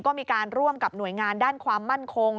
ก็มีการร่วมกับหน่วยงานด้านความมั่นคง